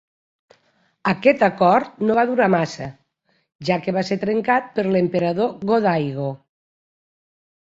Aquest acord no va durar massa, ja que va ser trencat per l'emperador Go-Daigo.